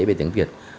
với tiếng việt